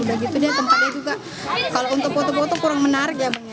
udah gitu dia tempatnya juga kalau untuk foto foto kurang menarik ya